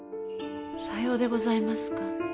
さようでございますか。